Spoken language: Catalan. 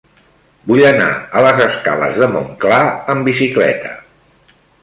Vull anar a les escales de Montclar amb bicicleta.